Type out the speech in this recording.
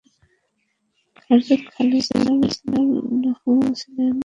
হযরত খালিদ রাযিয়াল্লাহু আনহু ছিলেন আবেগতাড়িত যোদ্ধা।